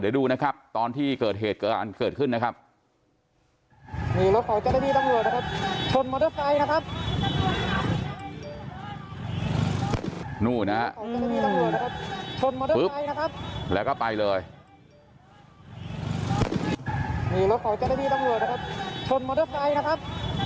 เดี๋ยวดูนะครับตอนที่เกิดเหตุเกิดอันเกิดขึ้นนะครับ